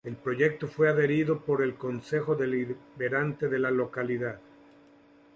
El proyecto fue adherido por el Concejo Deliberante de la localidad.